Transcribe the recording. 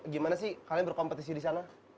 gimana sih kalian berkompetisi di sana